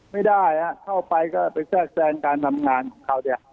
ไม่ได้เข้าไปก็ไปแทรกแทรงการทำงานของเขาเนี่ย